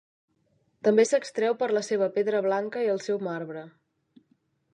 També s'extreu per la seva pedra blanca i el seu marbre.